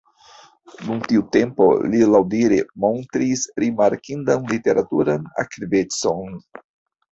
Dum tiu tempo li laŭdire montris rimarkindan literaturan aktivecon.